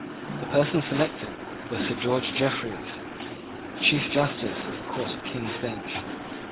The person selected was Sir George Jeffreys, Chief Justice of the Court of King's Bench.